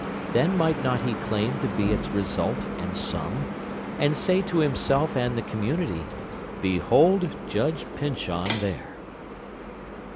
Then might not he claim to be its result and sum, and say to himself and the community, "Behold Judge Pyncheon there"?